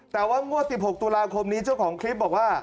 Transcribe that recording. แต่ว่างวด๑๖ตุลาคมนี้เจ้าของคลิปบอกว่า